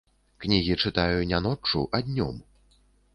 Кнігі чытаю не ноччу, а днём!